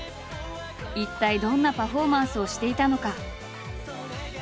一体どんなパフォーマンスをしていたのか？